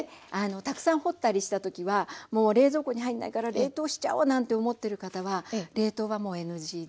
たくさん掘ったりした時はもう冷蔵庫に入んないから冷凍しちゃおうなんて思ってる方は冷凍はもうＮＧで。